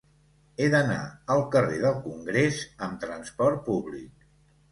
He d'anar al carrer del Congrés amb trasport públic.